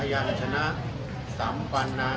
ขอบคุณครับ